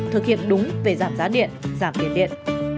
thực hiện đúng về giảm giá điện giảm tiền điện